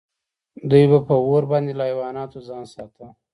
دوی به په اور باندې له حیواناتو ځان ساته.